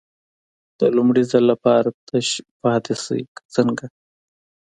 د لومړي ځل لپاره تش پاتې شي که څنګه.